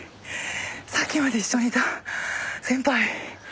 さっきまで一緒にいた先輩。